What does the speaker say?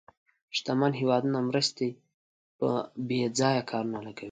شتمن هېوادونه مرستې په بې ځایه کارونو لګوي.